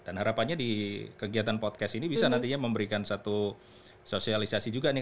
dan harapannya di kegiatan podcast ini bisa nantinya memberikan satu sosialisasi juga nih